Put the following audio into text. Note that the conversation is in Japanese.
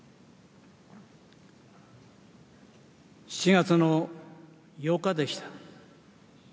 ７月の８日でした。